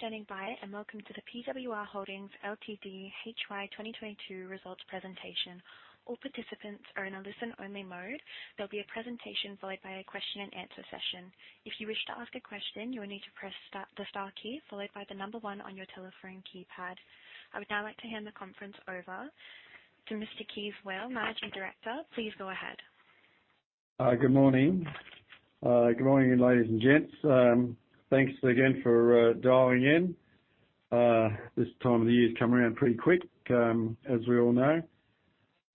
Thank you for standing by, and welcome to the PWR Holdings Ltd HY 2022 Results Presentation. All participants are in a listen-only mode. There'll be a presentation followed by a question-and-answer session. If you wish to ask a question, you will need to press the star key followed by the number 1 on your telephone keypad. I would now like to hand the conference over to Mr. Kees Weel, Managing Director. Please go ahead. Good morning. Good morning, ladies and gents. Thanks again for dialing in. This time of the year has come around pretty quick, as we all know.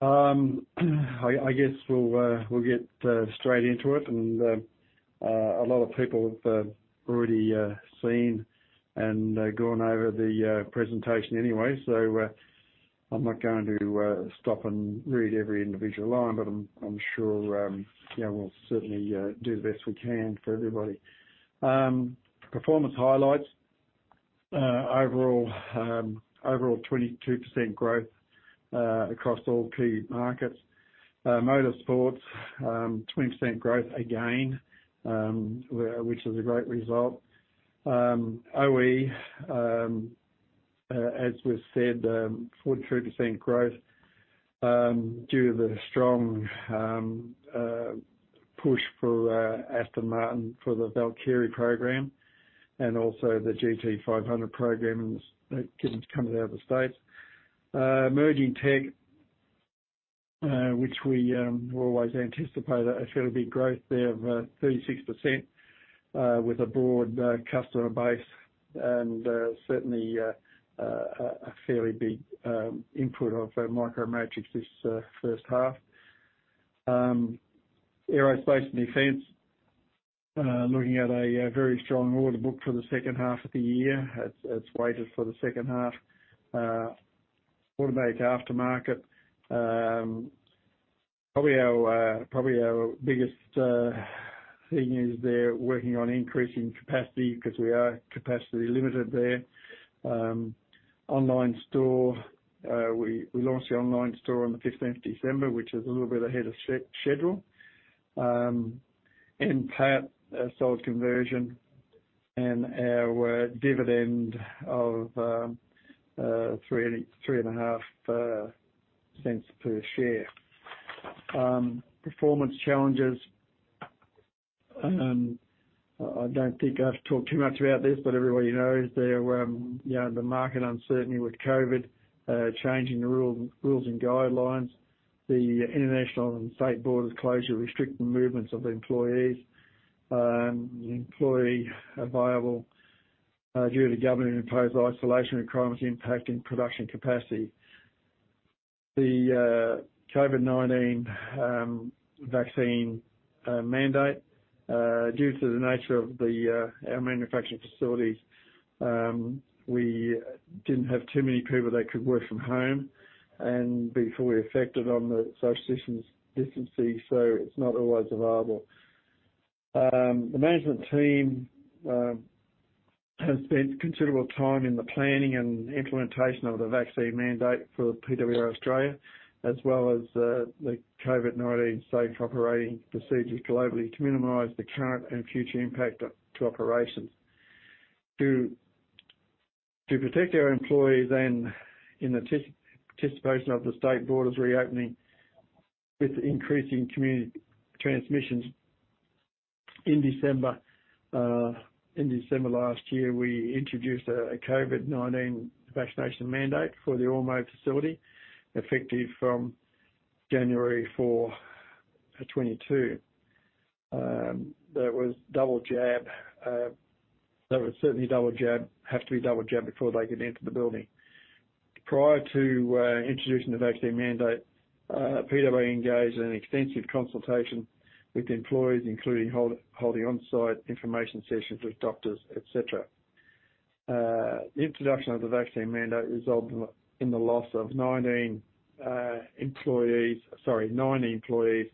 I guess we'll get straight into it. A lot of people have already seen and gone over the presentation anyway, so I'm not going to stop and read every individual line, but I'm sure, yeah, we'll certainly do the best we can for everybody. Performance highlights. Overall 22% growth across all key markets. Motorsports, 20% growth again, which is a great result. OE, as we've said, 42% growth due to the strong push for Aston Martin for the Valkyrie program and also the GT500 program that's coming out of the States. Emerging tech, which we always anticipate a fairly big growth there of 36% with a broad customer base and certainly a fairly big input of Micro Matrix this first half. Aerospace and defense, looking at a very strong order book for the second half of the year. It's weighted for the second half. Automotive aftermarket. Probably our biggest thing is they're working on increasing capacity 'cause we are capacity limited there. Online store. We launched the online store on the 15th of December, which is a little bit ahead of schedule. NPAT, a solid conversion, and our dividend of 0.035 per share. Performance challenges. I don't think I have to talk too much about this, but everybody knows, you know, the market uncertainty with COVID changing the rules and guidelines. The international and state borders' closure restricting movements of employees. The employee availability due to government-imposed isolation requirements impacting production capacity. The COVID-19 vaccine mandate. Due to the nature of our manufacturing facilities, we didn't have too many people that could work from home. Social distancing is not always available. The management team has spent considerable time in the planning and implementation of the vaccine mandate for PWR Australia, as well as the COVID-19 safe operating procedures globally to minimize the current and future impact to operations. To protect our employees and in anticipation of the state borders reopening with increasing community transmissions in December, in December last year, we introduced a COVID-19 vaccination mandate for the Ormeau facility, effective from January 4, 2022. That was double jab. That was certainly double jab, have to be double jabbed before they could enter the building. Prior to introducing the vaccine mandate, PWR engaged in an extensive consultation with employees, including holding on-site information sessions with doctors, et cetera. The introduction of the vaccine mandate resulted in the loss of 19 employees. Sorry, nine employees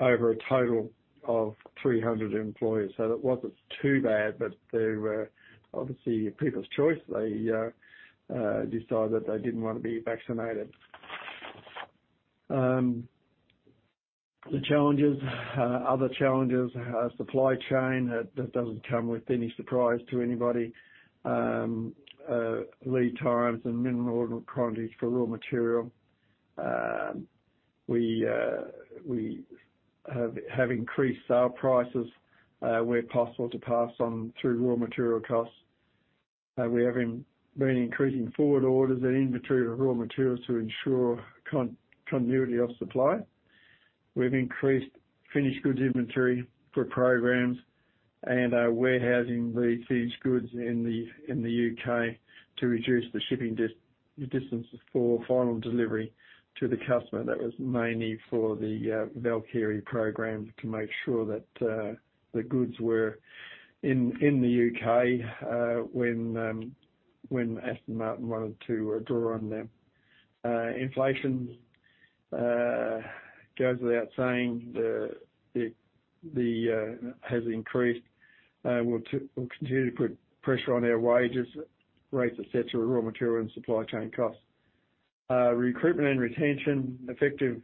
over a total of 300 employees. It wasn't too bad, but they were obviously people's choice. They decided that they didn't wanna be vaccinated. The challenges, other challenges, supply chain. That doesn't come with any surprise to anybody. Lead times and minimum order quantities for raw material. We have increased sale prices where possible to pass on through raw material costs. We have been increasing forward orders and inventory of raw materials to ensure continuity of supply. We've increased finished goods inventory for programs and are warehousing the finished goods in the U.K. to reduce the shipping distances for final delivery to the customer. That was mainly for the Valkyrie program to make sure that the goods were in the U.K. when Aston Martin wanted to draw on them. Inflation goes without saying, has increased. It will continue to put pressure on our wages, rates, et cetera, raw material and supply chain costs. Recruitment and retention, effective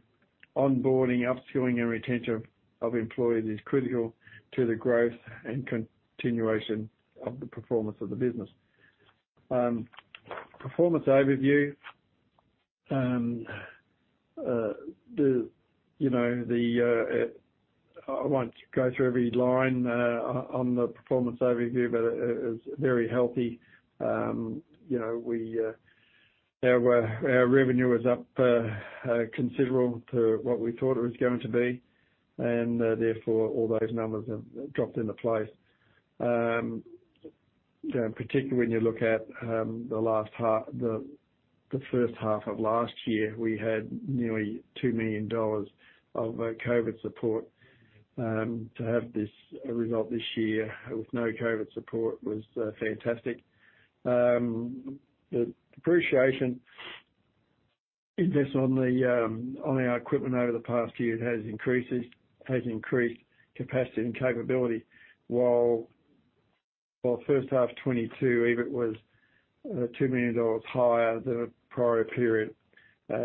onboarding, upskilling and retention of employees is critical to the growth and continuation of the performance of the business. Performance overview. You know, I won't go through every line on the performance overview, but it is very healthy. You know, our revenue is up considerably to what we thought it was going to be, and therefore, all those numbers have dropped into place. Particularly when you look at the first half of last year, we had nearly 2 million dollars of COVID support. To have this result this year with no COVID support was fantastic. The depreciation investment on our equipment over the past year has increased capacity and capability. While first half 2022 EBIT was 2 million dollars higher than the prior period.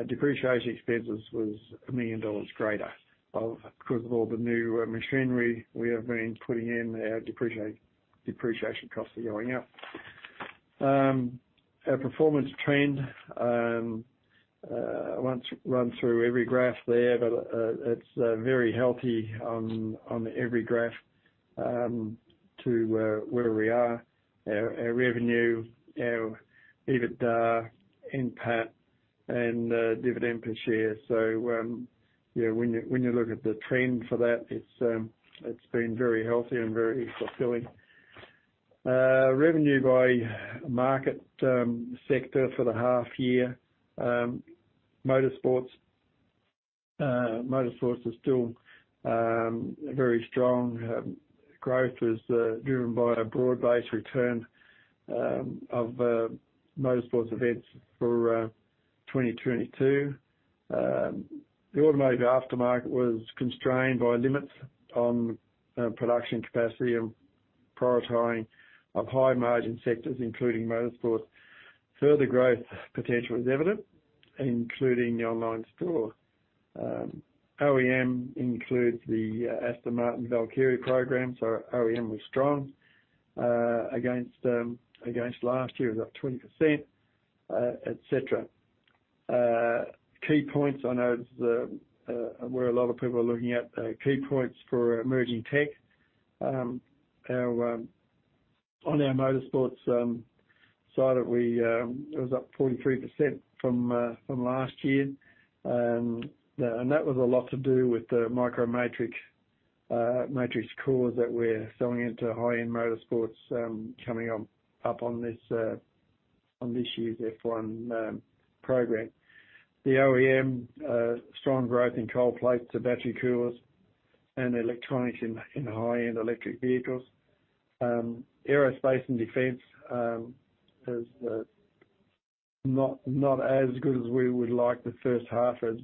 Depreciation expenses was 1 million dollars greater, because of all the new machinery we have been putting in. Our depreciation costs are going up. Our performance trend, I won't run through every graph there, but it's very healthy on every graph to where we are. Our revenue, our EBITDA, NPAT, and dividend per share. Yeah, when you look at the trend for that, it's been very healthy and very fulfilling. Revenue by market sector for the half year. Motorsports is still very strong. Growth was driven by a broad-based return of Motorsports events for 2022. The automotive aftermarket was constrained by limits on production capacity and prioritizing of high-margin sectors, including Motorsports. Further growth potential is evident, including the online store. OEM includes the Aston Martin Valkyrie program, so our OEM was strong against last year, up 20%, et cetera. Key points. I know this is where a lot of people are looking at key points for emerging tech. On our motorsports side it was up 43% from last year. That was a lot to do with the Micro Matrix matrix cores that we're selling into high-end motorsports coming up on this year's F1 program. The OEM strong growth in cold plates to battery coolers and electronics in high-end electric vehicles. Aerospace and defense is not as good as we would like. The first half is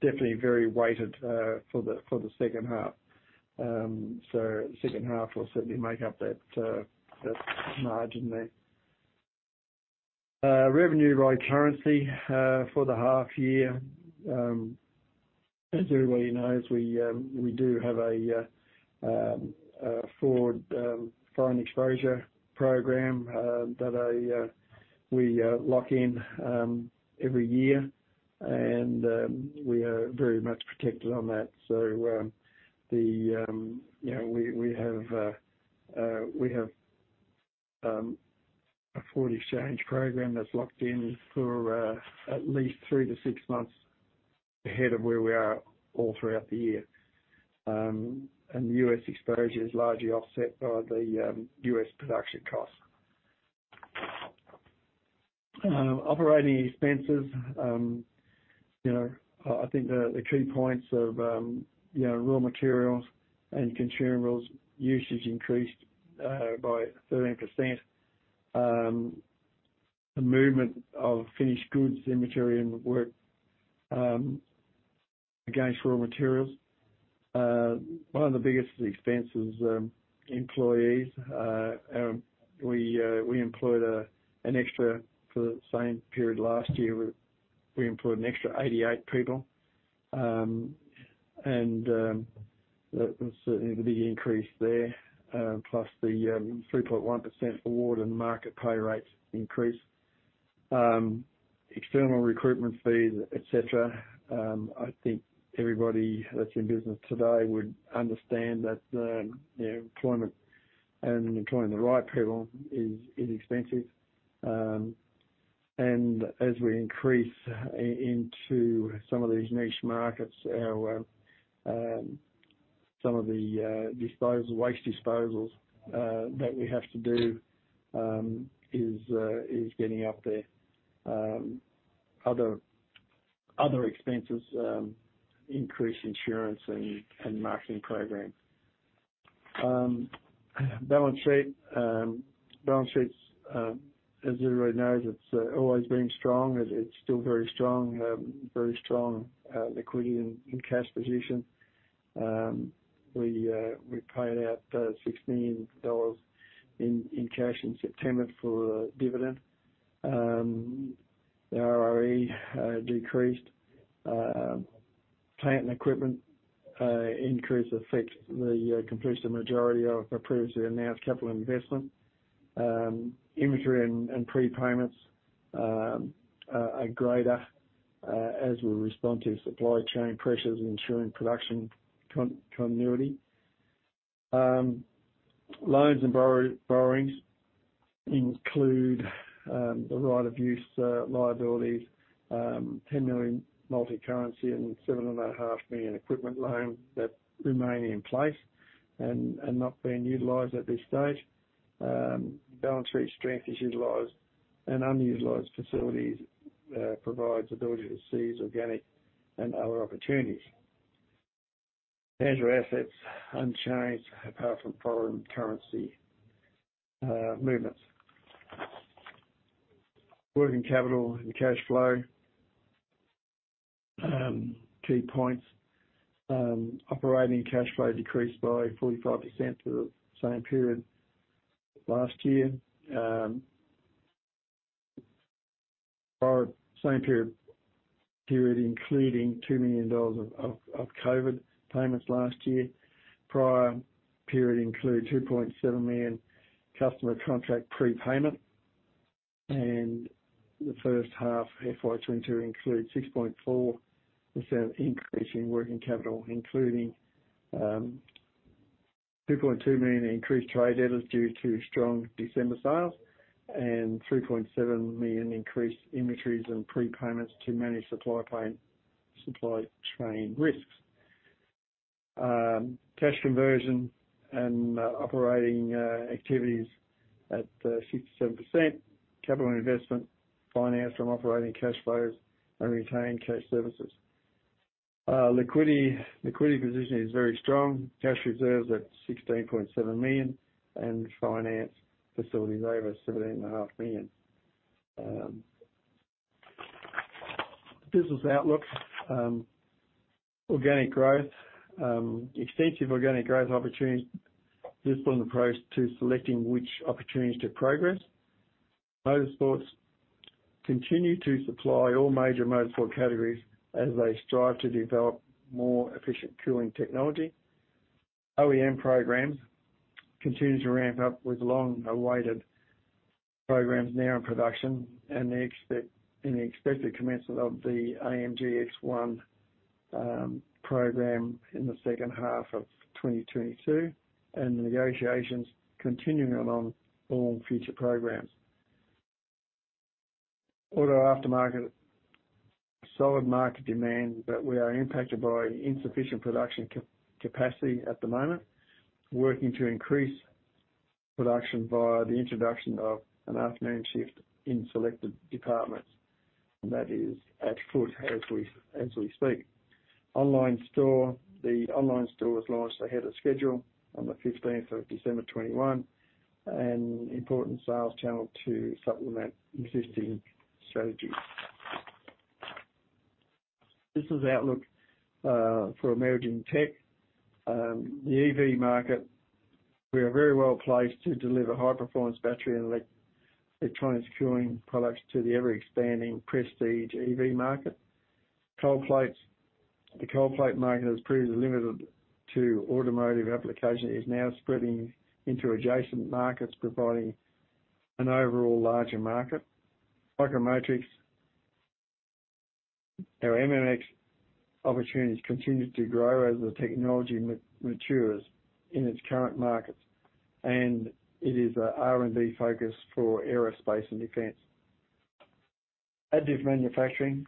definitely very weighted for the second half. Second half will certainly make up that margin there. Revenue by currency for the half year. As everybody knows, we do have a foreign exchange program that we lock in every year. We are very much protected on that. You know, we have a foreign exchange program that's locked in for at least three to six months ahead of where we are all throughout the year. The U.S. exposure is largely offset by the U.S. production costs. Operating expenses, you know, I think the key points of raw materials and consumables usage increased by 13%. The movement of finished goods inventory and work against raw materials. One of the biggest expenses, employees. We employed an extra for the same period last year. We employed an extra 88 people. That was certainly the big increase there, plus the 3.1% award and market pay rates increase. External recruitment fees, et cetera. I think everybody that's in business today would understand that, you know, employment and employing the right people is expensive. As we increase into some of these niche markets, our some of the disposal, waste disposals that we have to do is getting up there. Other expenses, increased insurance and marketing programs. Balance sheet. Balance sheets, as everybody knows, it's always been strong. It's still very strong liquidity and cash position. We paid out 16 million dollars in cash in September for a dividend. The ROE decreased. The plant and equipment increase completes the majority of the previously announced capital investment. Inventory and prepayments are greater as we respond to supply chain pressures ensuring production continuity. Loans and borrowings include the right-of-use liabilities, 10 million multi-currency and 7.5 million equipment loan that remain in place and not being utilized at this stage. Balance sheet strength is utilized and unutilized facilities provides ability to seize organic and other opportunities. Financial assets unchanged apart from foreign currency movements. Working capital and cash flow key points. Operating cash flow decreased by 45% for the same period last year. For same period including 2 million dollars of COVID payments last year. Prior period include 2.7 million customer contract prepayment. The first half FY 2022 includes 6.4% increase in working capital, including 2.2 million increased trade debtors due to strong December sales and 3.7 million increased inventories and prepayments to manage supply chain risks. Cash conversion and operating activities at 67%. Capital investment financed from operating cash flows and retained cash services. Liquidity position is very strong. Cash reserves at 16.7 million and finance facilities over 17.5 million. Business outlook. Organic growth. Extensive organic growth opportunities. Disciplined approach to selecting which opportunities to progress. Motorsports continue to supply all major motorsport categories as they strive to develop more efficient cooling technology. OEM programs continue to ramp up with long-awaited programs now in production and the expected commencement of the AMG ONE program in the second half of 2022, and negotiations continuing along all future programs. Auto Aftermarket, solid market demand, but we are impacted by insufficient production capacity at the moment. Working to increase production via the introduction of an afternoon shift in selected departments and that is afoot as we speak. Online store. The online store was launched ahead of schedule on the 15th of December 2021, an important sales channel to supplement existing strategies. Business outlook for Emerging Tech. The EV market, we are very well placed to deliver high-performance battery and electronic cooling products to the ever-expanding prestige EV market. Cold plates. The cold plate market has previously been limited to automotive application, is now spreading into adjacent markets, providing an overall larger market. Micro Matrix. Our MMX opportunities continue to grow as the technology matures in its current markets, and it is a R&D focus for aerospace and defense. Additive manufacturing.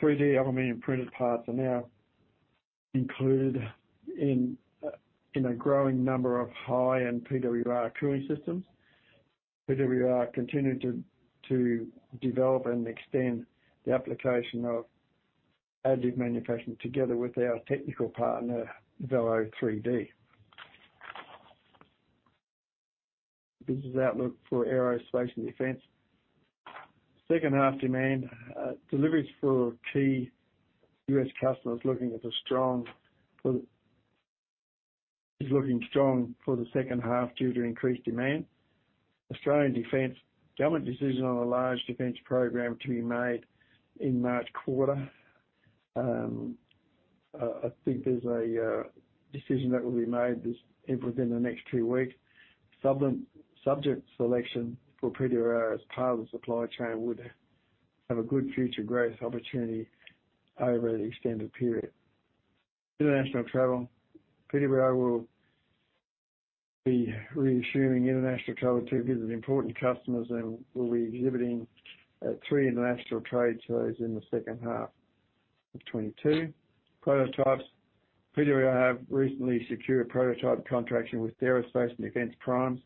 3D aluminum printed parts are now included in a growing number of high-end PWR cooling systems. PWR continuing to develop and extend the application of additive manufacturing together with our technical partner, Velo3D. Business outlook for Aerospace and Defense. Second half demand deliveries for key U.S. customers is looking strong for the second half due to increased demand. Australian Defense. Government decision on a large defense program to be made in March quarter. I think there's a decision that will be made within the next two weeks. Subject selection for PWR as part of the supply chain would have a good future growth opportunity over the extended period. International travel. PWR will be reassuming international travel to visit important customers, and we'll be exhibiting at three international trade shows in the second half of 2022. Prototypes. PWR have recently secured prototype contracting with aerospace and defense primes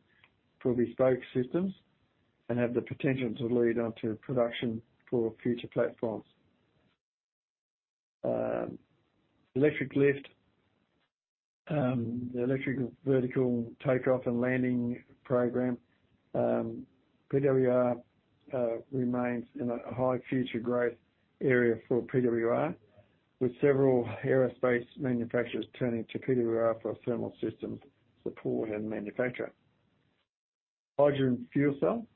for bespoke systems and have the potential to lead on to production for future platforms. Electric lift. The electric vertical take-off and landing program, PWR remains in a high future growth area for PWR, with several aerospace manufacturers turning to PWR for thermal systems support and manufacture. Hydrogen fuel cell.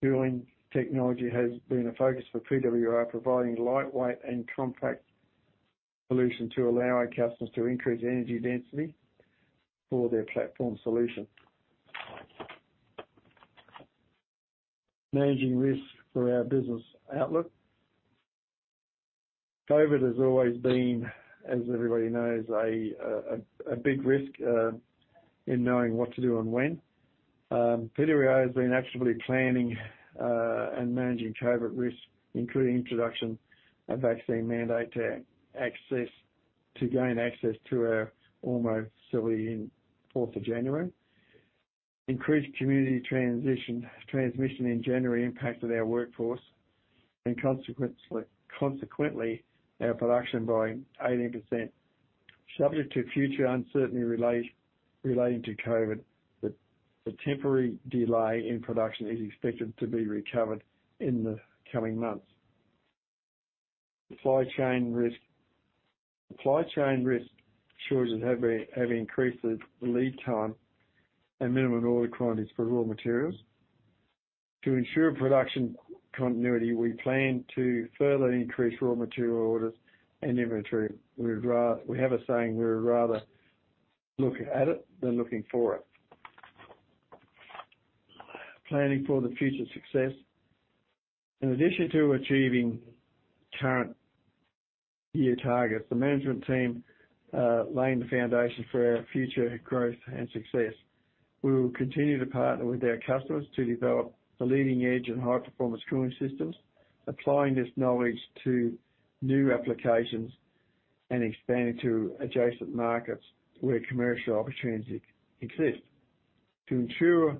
Fueling technology has been a focus for PWR, providing lightweight and compact solutions to allow our customers to increase energy density for their platform solution. Managing risk for our business outlook. COVID has always been, as everybody knows, a big risk in knowing what to do and when. PWR has been actively planning and managing COVID risk, including introduction of vaccine mandate to gain access to our Ormeau facility in fourth of January. Increased community transmission in January impacted our workforce, and consequently, our production by 18%. Subject to future uncertainty relating to COVID, the temporary delay in production is expected to be recovered in the coming months. Supply chain risk. Supply chain risk shortages have increased the lead time and minimum order quantities for raw materials. To ensure production continuity, we plan to further increase raw material orders and inventory. We have a saying, "We would rather look at it than looking for it." Planning for the future success. In addition to achieving current year targets, the management team laying the foundation for our future growth and success. We will continue to partner with our customers to develop the leading edge in high-performance cooling systems, applying this knowledge to new applications and expanding to adjacent markets where commercial opportunities exist. To ensure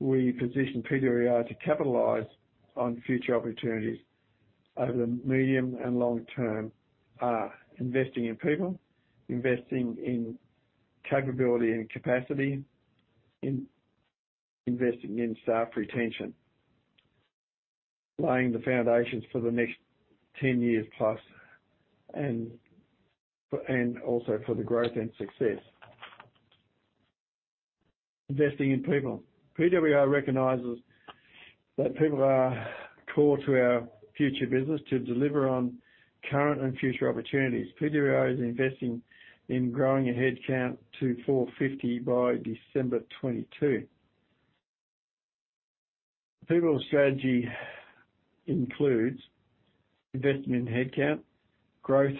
we position PWR to capitalize on future opportunities over the medium and long term, we are investing in people, investing in capability and capacity, investing in staff retention. Laying the foundations for the next 10 years+, also for the growth and success. Investing in people. PWR recognizes that people are core to our future business to deliver on current and future opportunities. PWR is investing in growing a headcount to 450 by December 2022. People strategy includes investing in headcount. Growth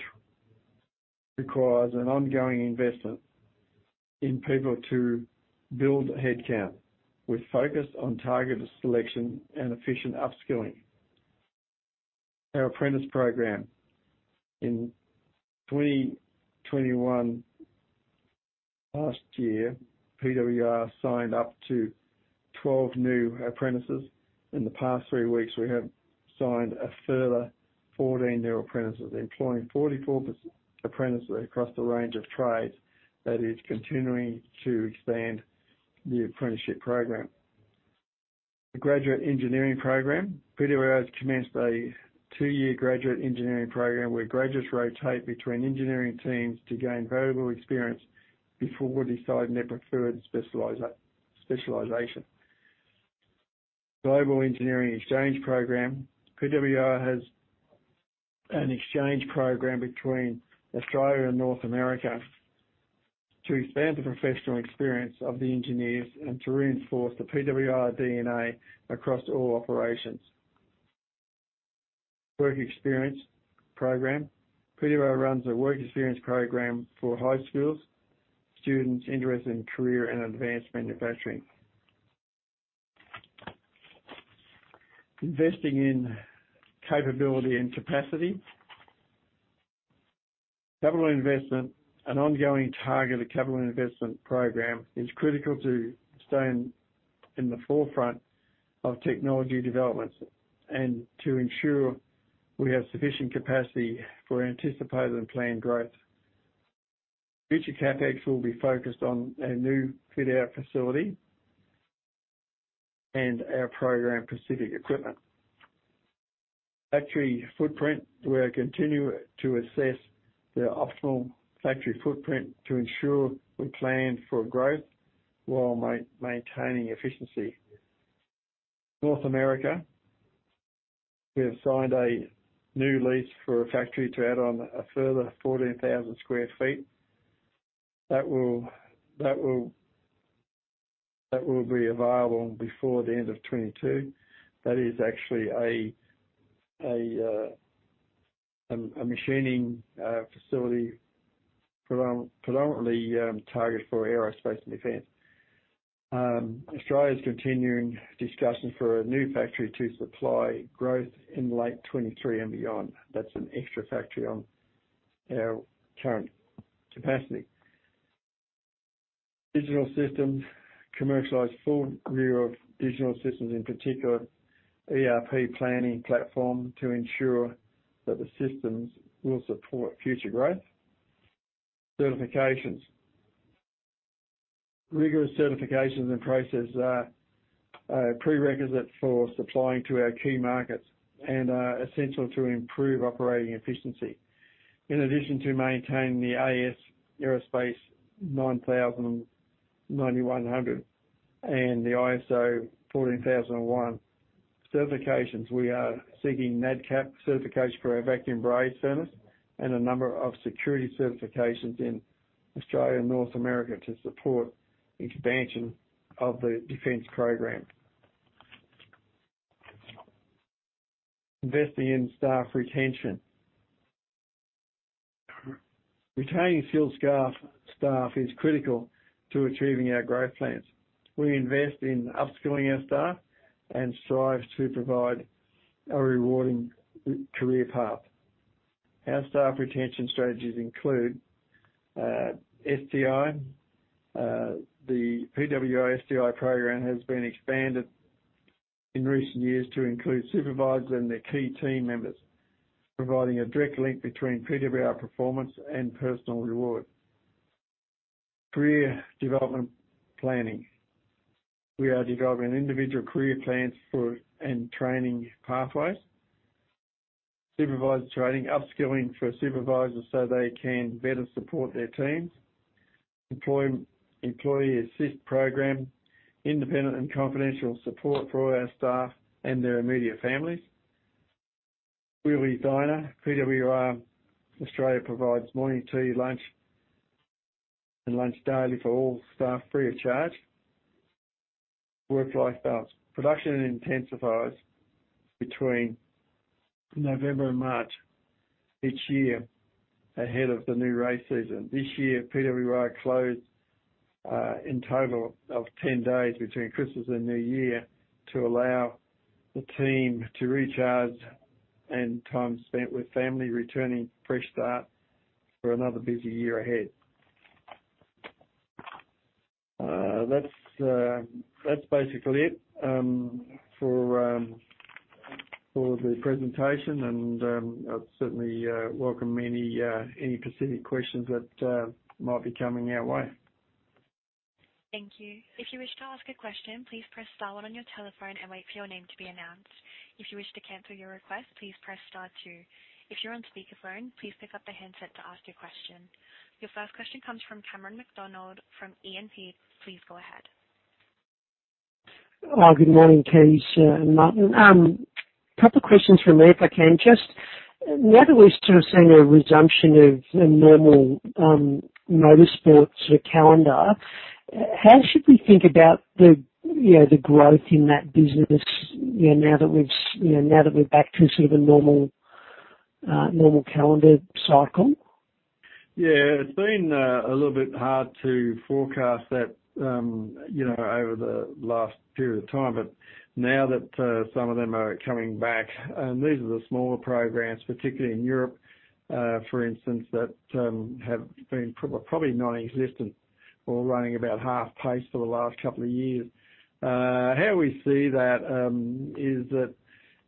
requires an ongoing investment in people to build headcount with focus on targeted selection and efficient upskilling. Our apprentice program. In 2021, last year, PWR signed up to 12 new apprentices. In the past three weeks, we have signed a further 14 new apprentices, employing 44% apprentices across the range of trades that is continuing to expand the apprenticeship program. The graduate engineering program. PWR has commenced a two-year graduate engineering program where graduates rotate between engineering teams to gain valuable experience before deciding their preferred specialization. Global Engineering Exchange Program. PWR has an exchange program between Australia and North America to expand the professional experience of the engineers and to reinforce the PWR DNA across all operations. Work Experience Program. PWR runs a work experience program for high schools, students interested in career and advanced manufacturing. Investing in capability and capacity. Capital investment. An ongoing targeted capital investment program is critical to stay in the forefront of technology developments and to ensure we have sufficient capacity for anticipated and planned growth. Future CapEx will be focused on a new fit-out facility and our program-specific equipment. Factory footprint. We are continuing to assess the optimal factory footprint to ensure we plan for growth while maintaining efficiency. North America. We have signed a new lease for a factory to add on a further 14,000 sq ft. That will be available before the end of 2022. That is actually a machining facility predominantly targeted for aerospace and defense. Australia is continuing discussions for a new factory to supply growth in late 2023 and beyond. That's an extra factory on our current capacity. Digital systems commercialize full view of digital systems, in particular ERP planning platform to ensure that the systems will support future growth. Certifications. Rigorous certifications and processes are a prerequisite for supplying to our key markets and are essential to improve operating efficiency. In addition to maintaining the AS9100 and the ISO 14001 certifications, we are seeking Nadcap certification for our vacuum braze service and a number of security certifications in Australia and North America to support expansion of the defense program. Investing in staff retention. Retaining skilled staff is critical to achieving our growth plans. We invest in upskilling our staff and strive to provide a rewarding career path. Our staff retention strategies include STI. The PWR STI program has been expanded in recent years to include supervisors and their key team members, providing a direct link between PWR performance and personal reward. Career development planning. We are developing individual career plans for our staff and training pathways. Supervisor training upskilling for supervisors so they can better support their teams. Employee assistance program, independent and confidential support for all our staff and their immediate families. Wheelie Diner. PWR Australia provides morning tea, lunch, and dinner daily for all staff free of charge. Work-life balance. Production intensifies between November and March each year ahead of the new race season. This year, PWR closed in total of 10 days between Christmas and New Year to allow the team to recharge and time spent with family returning fresh start for another busy year ahead. That's basically it for the presentation. I'll certainly welcome any specific questions that might be coming our way. Your first question comes from Cameron McDonald from E&P. Please go ahead. Good morning, Kees and Martin. A couple of questions from me, if I can. Just now that we're sort of seeing a resumption of the normal motorsports calendar, how should we think about the, you know, the growth in that business, you know, now that we've, you know, now that we're back to sort of a normal calendar cycle? Yeah. It's been a little bit hard to forecast that, you know, over the last period of time. Now that some of them are coming back, and these are the smaller programs, particularly in Europe, for instance, that have been probably non-existent or running about half pace for the last couple of years. How we see that is that,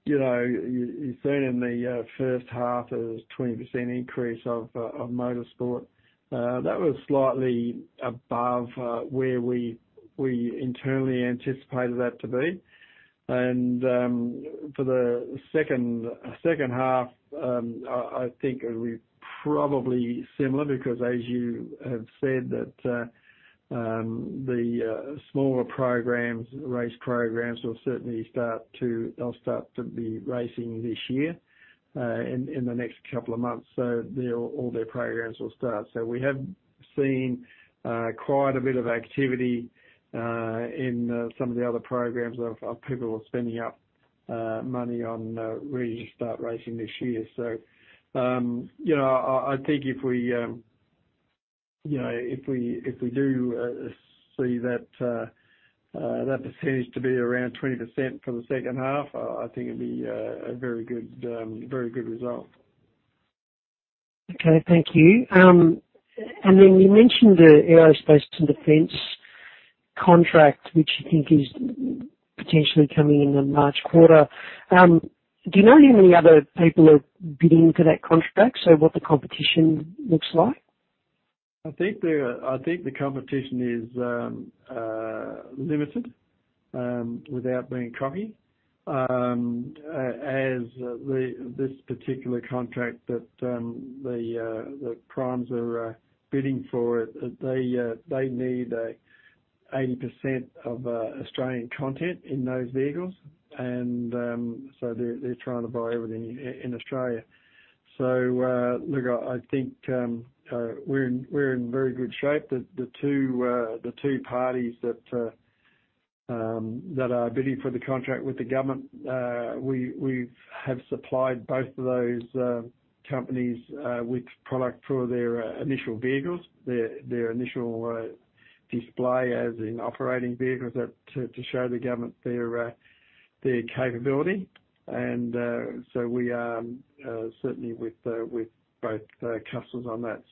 you know, you've seen in the first half a 20% increase of motorsport. That was slightly above where we internally anticipated that to be. For the second half, I think it'll be probably similar because as you have said, the smaller programs, race programs will certainly start to be racing this year, in the next couple of months. All their programs will start. We have seen quite a bit of activity in some of the other programs of people spending up money on really start racing this year. You know, I think if we do see that percentage to be around 20% for the second half, I think it'd be a very good result. Okay. Thank you. Then you mentioned the aerospace and defense contract, which you think is potentially coming in the March quarter. Do you know how many other people are bidding for that contract? What the competition looks like? I think the competition is limited, without being cocky. As this particular contract that the primes are bidding for it, they need 80% of Australian content in those vehicles. They're trying to buy everything in Australia. Look, I think we're in very good shape. The two parties that are bidding for the contract with the government, we have supplied both of those companies with product for their initial vehicles, their initial display as in operating vehicles that to show the government their capability. We are certainly with both customers on that.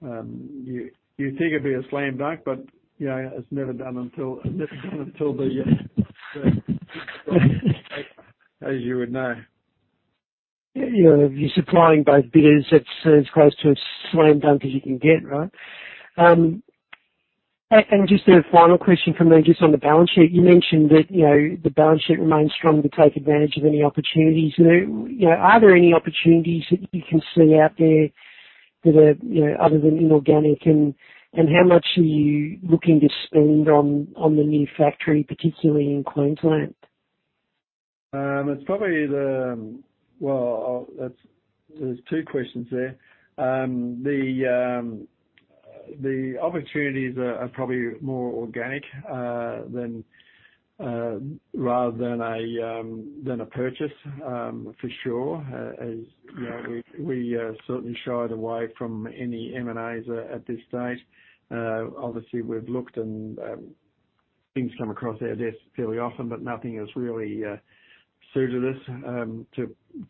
You think it'd be a slam dunk, but you know, it's never done until the AS you would know. You know, you're supplying both bidders. That's as close to a slam dunk as you can get, right? Just a final question from me just on the balance sheet. You mentioned that, you know, the balance sheet remains strong to take advantage of any opportunities. You know, are there any opportunities that you can see out there that are, you know, other than inorganic? How much are you looking to spend on the new factory, particularly in Queensland? There's two questions there. The opportunities are probably more organic rather than a purchase, for sure. As you know, we certainly shied away from any M&As at this stage. Obviously, we've looked and things come across our desk fairly often, but nothing has really suited us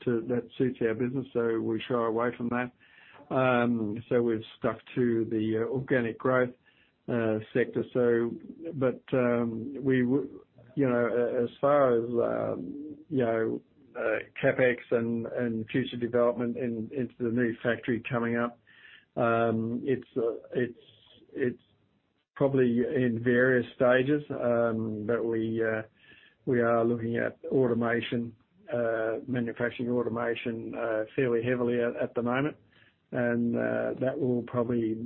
that suits our business, so we shy away from that. We've stuck to the organic growth sector. You know, as far as you know, CapEx and future development into the new factory coming up, it's probably in various stages, but we are looking at automation, manufacturing automation, fairly heavily at the moment. That will probably,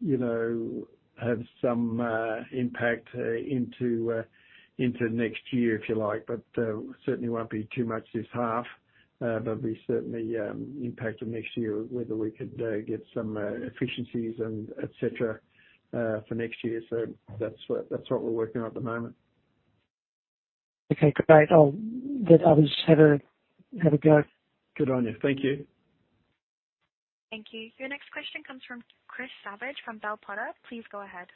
you know, have some impact into next year, if you like. Certainly won't be too much this half. There'll be certainly impact on next year, whether we could get some efficiencies and et cetera for next year. That's what we're working on at the moment. Okay. Great. I'll let others have a go. Good on you. Thank you. Thank you. Your next question comes from Chris Savage from Bell Potter. Please go ahead.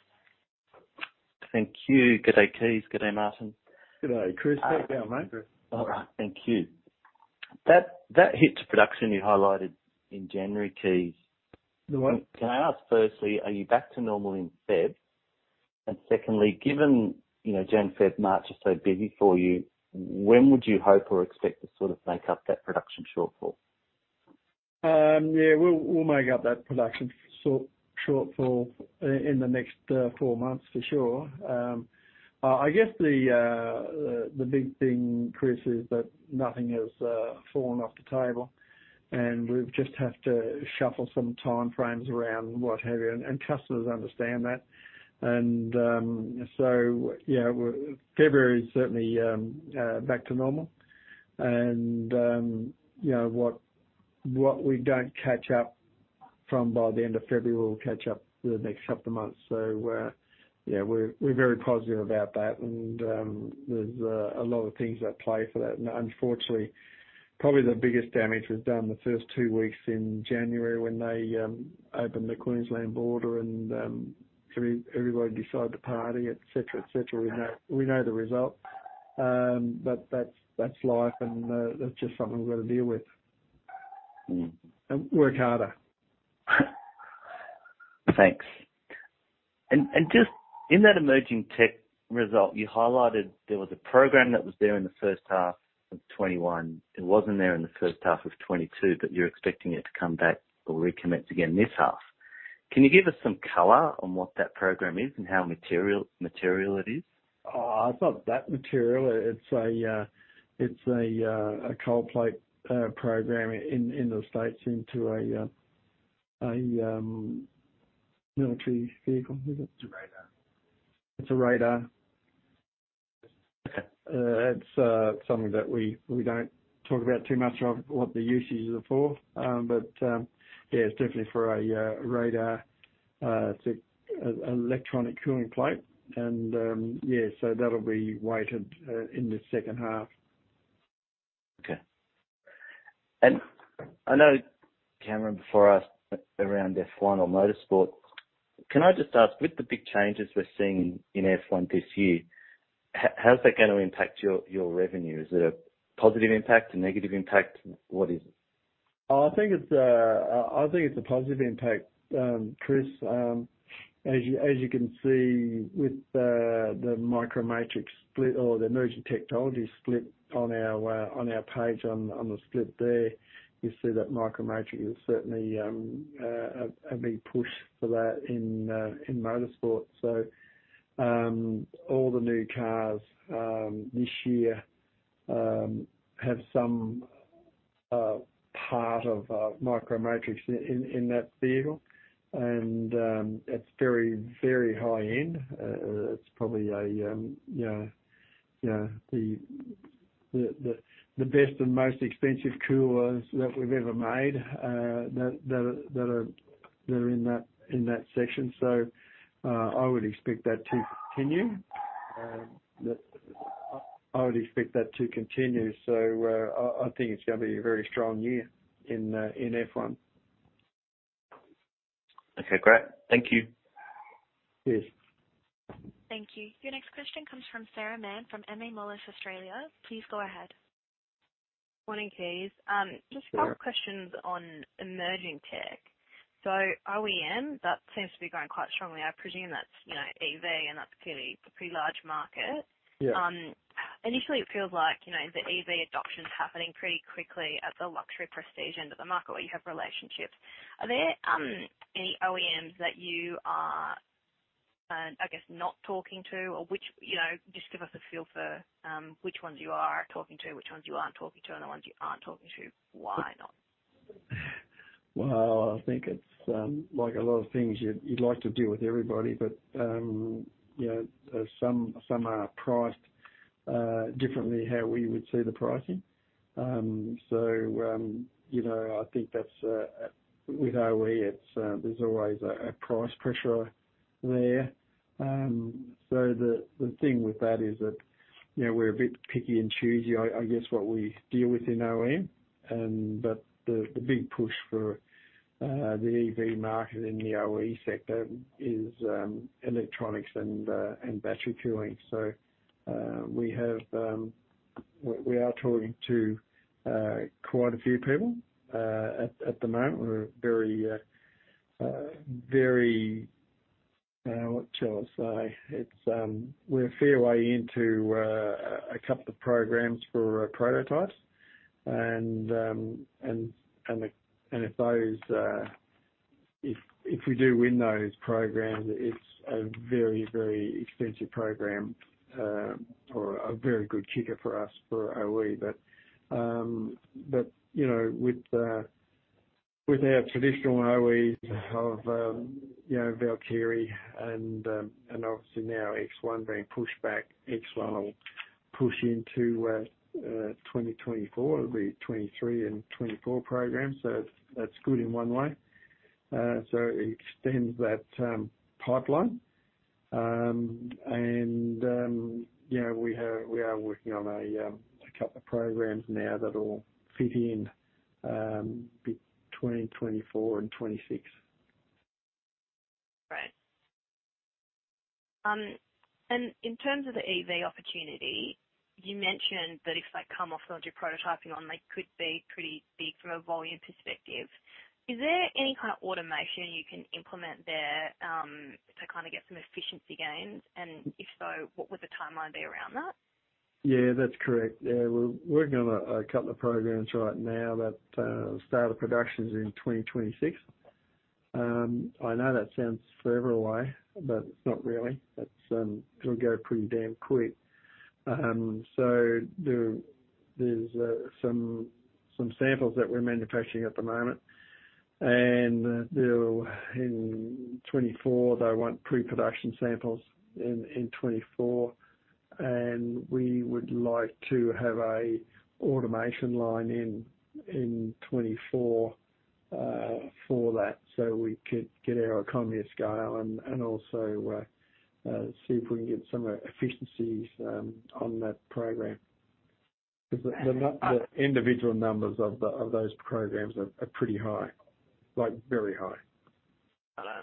Thank you. Good day, Kees. Good day, Martin. Good day, Chris. How are you doing, mate? All right. Thank you. That hit to production you highlighted in January, Kees. The what? Can I ask, firstly, are you back to normal in February? Secondly, given, you know, January, February, March is so busy for you, when would you hope or expect to sort of make up that production shortfall? Yeah, we'll make up that production shortfall in the next four months for sure. I guess the big thing, Chris, is that nothing has fallen off the table, and we just have to shuffle some timeframes around, what have you. February is certainly back to normal. You know, what we don't catch up from by the end of February, we'll catch up the next couple of months. Yeah, we're very positive about that and there's a lot of things at play for that. Unfortunately, probably the biggest damage was done the first two weeks in January when they opened the Queensland border and everybody decided to party, et cetera, et cetera. We know the result. That's life and that's just something we've got to deal with. Mm-hmm. Work harder. Thanks. Just in that emerging tech result, you highlighted there was a program that was there in the first half of 2021. It wasn't there in the first half of 2022, but you're expecting it to come back or recommence again this half. Can you give us some color on what that program is and how material it is? It's not that material. It's a cold plate program in the States into a military vehicle. Is it? It's a radar. It's a radar. Okay. It's something that we don't talk about too much of what the uses are for. Yeah, it's definitely for a radar electronic cooling plate. Yeah, so that'll be weighted in the second half. Okay. I know Cameron before asked about F1 or motorsport. Can I just ask, with the big changes we're seeing in F1 this year, how's that gonna impact your revenue? Is it a positive impact, a negative impact? What is it? I think it's a positive impact, Chris. As you can see with the Micro Matrix split or the emerging technology split on our page on the split there, you see that Micro Matrix is certainly a big push for that in motorsport. All the new cars this year have some part of a Micro Matrix in that vehicle. It's very high end. It's probably, you know, the best and most expensive coolers that we've ever made that are in that section. I would expect that to continue. I think it's gonna be a very strong year in F1. Okay, great. Thank you. Cheers. Thank you. Your next question comes from Sarah Mann from Moelis Australia. Please go ahead. Morning, Kees. Just a couple of questions on emerging tech. OEM, that seems to be growing quite strongly. I presume that's, you know, EV and that's clearly a pretty large market. Yeah. Initially it feels like, you know, the EV adoption is happening pretty quickly at the luxury prestige end of the market where you have relationships. Are there any OEMs that you are, I guess, not talking to? Or, you know, just give us a feel for which ones you are talking to, which ones you aren't talking to, and the ones you aren't talking to, why not? Well, I think it's like a lot of things you'd like to deal with everybody, but you know, some are priced differently, how we would see the pricing. You know, I think that's with OE. There's always a price pressure there. The thing with that is that you know we're a bit picky and choosy. I guess what we deal with in OE. But the big push for the EV market in the OE sector is electronics and battery cooling. We are talking to quite a few people. At the moment we're very what shall I say? We're a fair way into a couple of programs for prototypes and if those we do win those programs, it's a very expensive program or a very good kicker for us for OE. You know, with our traditional OEs of you know, Valkyrie and obviously now ONE being pushed back, ONE will push into 2024. It'll be 2023 and 2024 programs so that's good in one way. It extends that pipeline. You know, we are working on a couple of programs now that all fit in between 2024 and 2026. Right. In terms of the EV opportunity, you mentioned that if they come off what you're prototyping on, they could be pretty big from a volume perspective. Is there any kind of automation you can implement there, to kind of get some efficiency gains? If so, what would the timeline be around that? Yeah, that's correct. Yeah, we're working on a couple of programs right now that start of production is in 2026. I know that sounds forever away, but it's not really. That's, it'll go pretty damn quick. So there's some samples that we're manufacturing at the moment and they'll in 2024, they want pre-production samples in 2024 and we would like to have an automation line in 2024 for that so we could get our economy of scale and also see if we can get some efficiencies on that program. The individual numbers of those programs are pretty high. Like very high.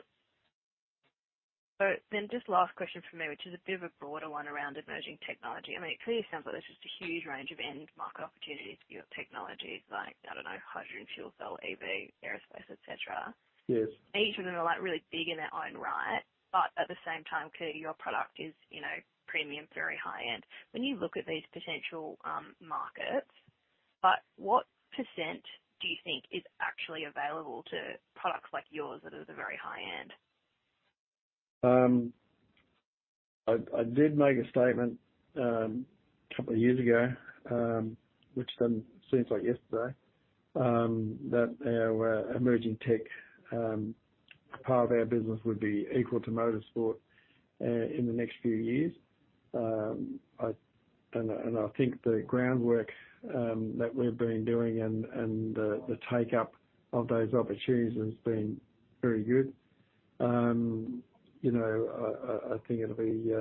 Got it. Just last question from me, which is a bit of a broader one around emerging technology. I mean, it clearly sounds like there's just a huge range of end market opportunities for your technologies, like, I don't know, hydrogen fuel cell, EV, aerospace, et cetera. Yes. Each of them are like really big in their own right. At the same time, clearly your product is, you know, premium, very high end. When you look at these potential markets, but what percent do you think is actually available to products like yours that are the very high end? I did make a statement a couple of years ago, which seems like yesterday, that our emerging tech part of our business would be equal to motorsport in the next few years. I think the groundwork that we've been doing and the take-up of those opportunities has been very good. You know, I think it'll be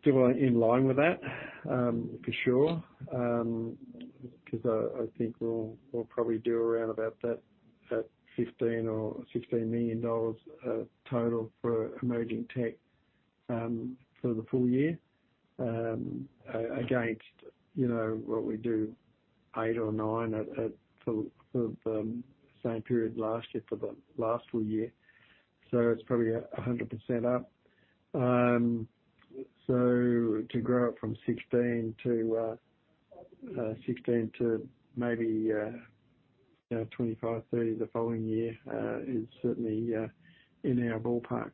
still in line with that for sure. 'Cause I think we'll probably do around about that 15 million dollars or 16 million dollars total for emerging tech for the full year against you know what we do 8 million or 9 million for the same period last year for the last full year. It's probably 100% up. To grow it from 16 million to maybe, you know, 25 million-30 million the following year is certainly in our ballpark.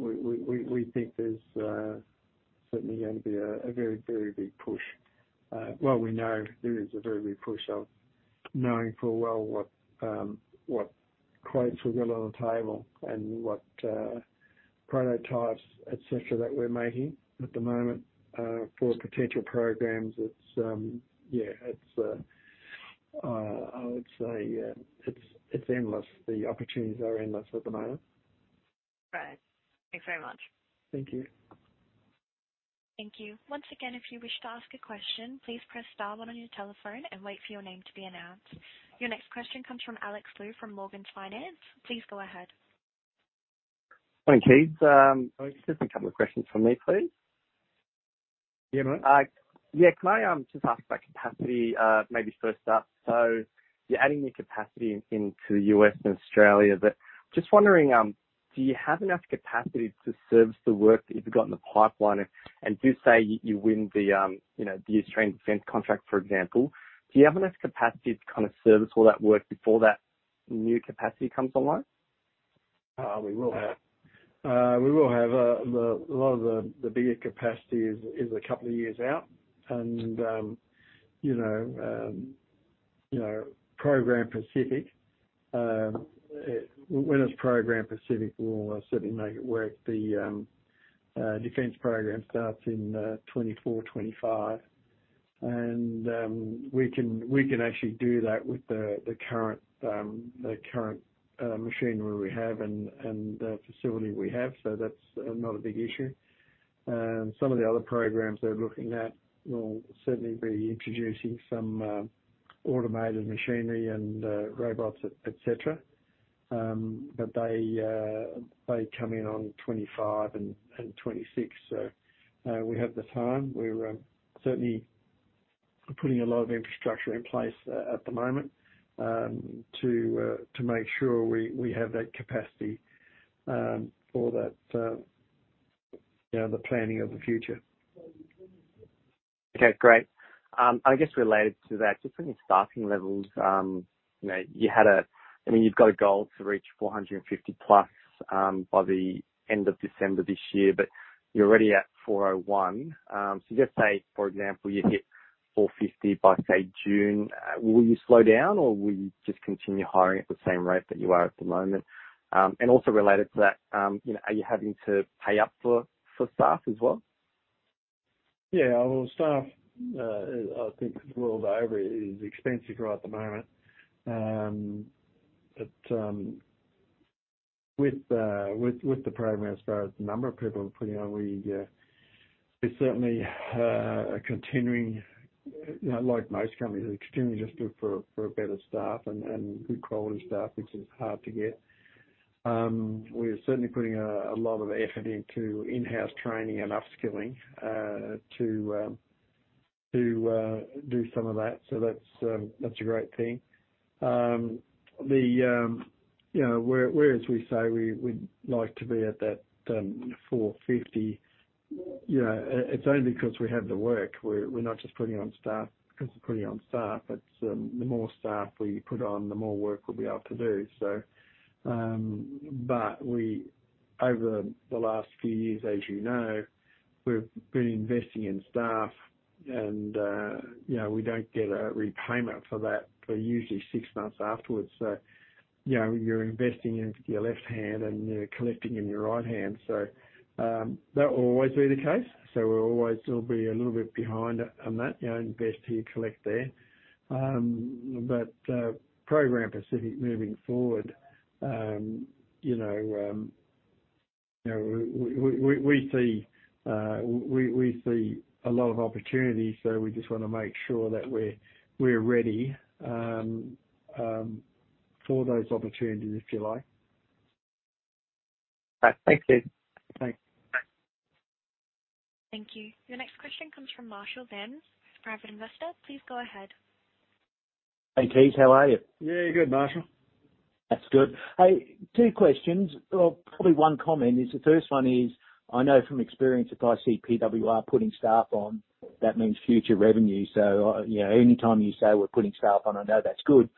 We think there's certainly going to be a very big push. Well, we know there is a very big push of knowing full well what quotes we've got on the table and what prototypes, et cetera, that we're making at the moment for potential programs. It's, yeah, I would say, it's endless. The opportunities are endless at the moment. Right. Thanks very much. Thank you. Thank you. Once again, if you wish to ask a question, please press star one on your telephone and wait for your name to be announced. Your next question comes from Alex Lu from Morgans Financial. Please go ahead. Morning, Kees. Just a couple of questions from me, please. Yeah, mate. Yeah. Can I just ask about capacity, maybe first up? You're adding new capacity into the U.S. and Australia, but just wondering, do you have enough capacity to service the work that you've got in the pipeline? Do, say, you win the, you know, the Australian defense contract, for example, do you have enough capacity to kind of service all that work before that new capacity comes online? We will have a lot of the bigger capacity a couple of years out and you know program specific. When it's program specific, we'll certainly make it work. The defense program starts in 2024, 2025, and we can actually do that with the current machinery we have and the facility we have. That's not a big issue. Some of the other programs they're looking at will certainly be introducing some automated machinery and robots, et cetera. But they come in on 2025 and 2026, so we have the time. We're certainly putting a lot of infrastructure in place at the moment to make sure we have that capacity for that, you know, the planning of the future. Okay, great. I guess related to that, just on your staffing levels, you know, you've got a goal to reach 450+ by the end of December this year, but you're already at 401. Just say, for example, you hit 450 by, say, June. Will you slow down or will you just continue hiring at the same rate that you are at the moment? Also related to that, you know, are you having to pay up for staff as well? Yeah. Well, staff, I think the world over is expensive right at the moment. With the program, as far as the number of people we're putting on, we're certainly continuing, you know, like most companies are continually just looking for better staff and good quality staff, which is hard to get. We're certainly putting a lot of effort into in-house training and upskilling to do some of that. That's a great thing. Whereas we say we'd like to be at that 450, you know, it's only because we have the work. We're not just putting on staff because we're putting on staff. It's the more staff we put on, the more work we'll be able to do. Over the last few years, as you know, we've been investing in staff and, you know, we don't get a repayment for that for usually six months afterwards. You know, you're investing into your left hand and you're collecting in your right hand. That will always be the case. We'll always will be a little bit behind on that, you know, invest, you collect there. Program specific moving forward, you know, you know, we see a lot of opportunities. We just wanna make sure that we're ready for those opportunities, if you like. All right. Thank you. Thanks. Thank you. Your next question comes from Marshall Venz, private investor. Please go ahead. Hey, Kees. How are you? Yeah, good, Marshall. That's good. Hey, two questions. Well, probably one comment is the first one is, I know from experience if I see PWR putting staff on, that means future revenue. So, you know, anytime you say, "We're putting staff on," I know that's good.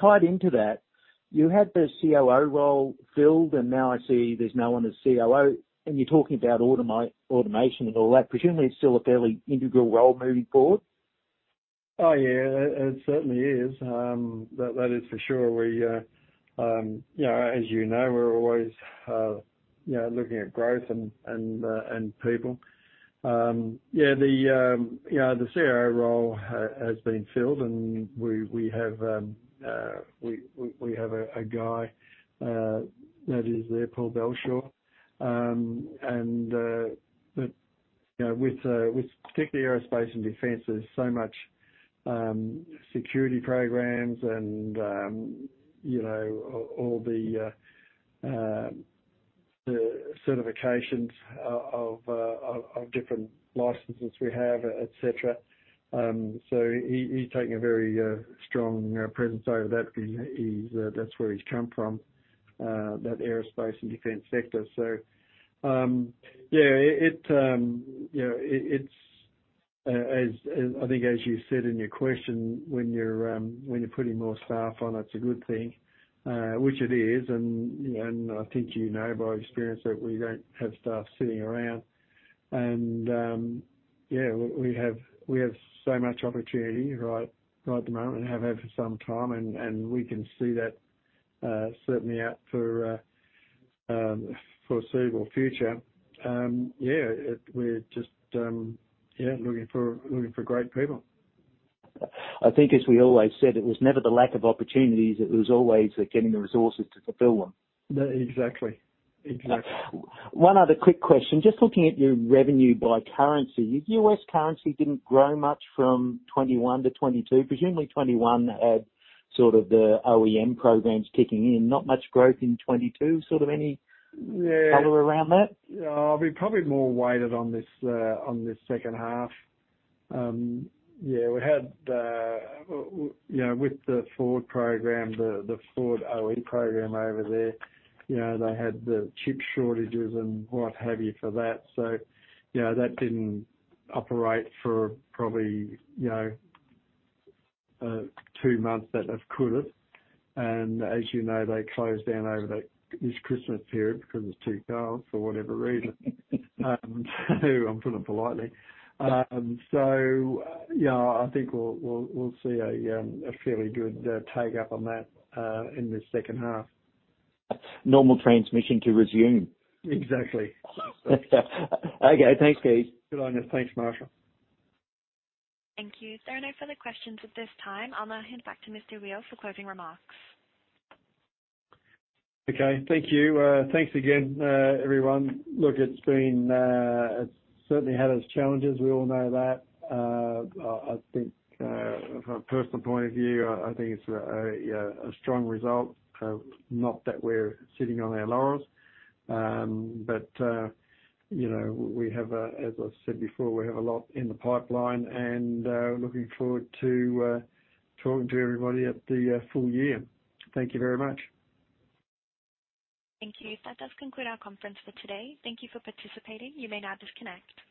Tied into that, you had the COO role filled and now I see there's no one as COO, and you're talking about automation and all that. Presumably it's still a fairly integral role moving forward. Oh, yeah. It certainly is. That is for sure. You know, as you know, we're always looking at growth and people. Yeah, the COO role has been filled and we have a guy that is there, Paul Belshaw. You know, with particularly aerospace and defense there's so much security programs and you know, all the certifications of different licenses we have, et cetera. So he is taking a very strong presence over that. He's, that's where he's come from, that aerospace and defense sector. Yeah, you know, it's as I think as you said in your question, when you're putting more staff on, it's a good thing, which it is. I think you know by experience that we don't have staff sitting around. Yeah, we have so much opportunity right at the moment and have had for some time and we can see that certainly out for foreseeable future. Yeah, we're just looking for great people. I think as we always said, it was never the lack of opportunities, it was always getting the resources to fulfill them. Exactly. One other quick question. Just looking at your revenue by currency, your U.S. currency didn't grow much from 2021 to 2022. Presumably 2021 had sort of the OEM programs kicking in. Not much growth in 2022. Sort of any- Yeah. Cooler around that? Yeah. It'll be probably more weighted on this, on this second half. Yeah, we had you know, with the Ford program, the Ford OE program over there, you know, they had the chip shortages and what have you for that. You know, that didn't operate for probably, you know, two months that it could have. As you know, they closed down over this Christmas period because it's too cold for whatever reason. I'm putting it politely. Yeah, I think we'll see a fairly good take up on that, in the second half. Normal transmission to resume. Exactly. Okay. Thanks, Kees. Good honest. Thanks, Marshall. Thank you. There are no further questions at this time. I'll now hand back to Mr. Weel for closing remarks. Okay. Thank you. Thanks again, everyone. Look, it's certainly had its challenges. We all know that. I think from a personal point of view, I think it's a strong result. Not that we're sitting on our laurels, but you know, as I've said before, we have a lot in the pipeline and looking forward to talking to everybody at the full year. Thank you very much. Thank you. That does conclude our conference for today. Thank you for participating. You may now disconnect.